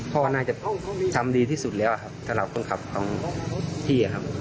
พ่อน่าจะทำดีที่สุดแล้วครับสำหรับคนขับของพี่ครับ